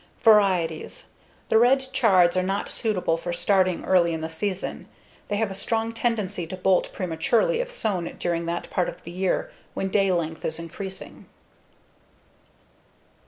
Varieties: The red chards are not suitable for starting early in the season; they have a strong tendency to bolt prematurely if sown during that part of the year when daylength is increasing.